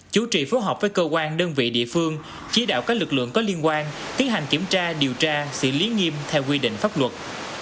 chủ trì phối hợp với cơ quan đơn vị địa phương chỉ đạo các lực lượng có liên quan tiến hành kiểm tra điều tra xử lý nghiêm theo quy định pháp luật